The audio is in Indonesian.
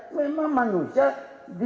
memang manusia di